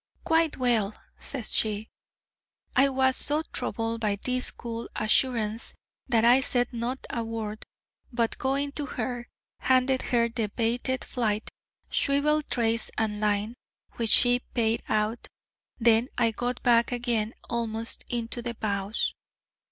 'Quite well,' says she. I was so troubled by this cool assurance, that I said not a word, but going to her, handed her the baited flight, swivel trace, and line, which she paid out; then I got back again almost into the bows.